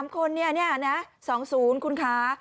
๓คนเนี่ยนะ๒ศูนย์คุณขา